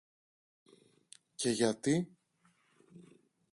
Και γιατί;